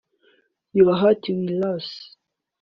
Your heart will race